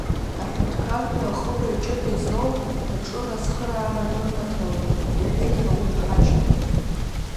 Аҳәынҭқарра аҟыбаҩ ҷыда злоу аҿар ацхыраара рынаҭалоит, — иҳәеит Рауль Ҳаџьымба.